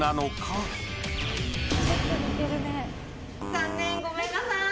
残念ごめんなさーい